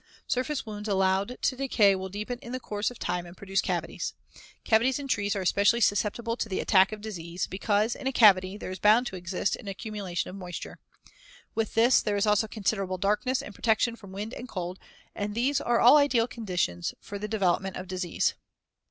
Surface wounds allowed to decay will deepen in course of time and produce cavities. Cavities in trees are especially susceptible to the attack of disease because, in a cavity, there is bound to exist an accumulation of moisture. With this, there is also considerable darkness and protection from wind and cold, and these are all ideal conditions for the development of disease.